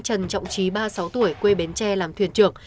trần trọng trí ba mươi sáu tuổi quê bến tre làm thuyền trưởng